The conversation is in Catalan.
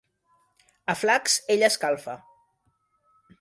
A flacs ell escalfa.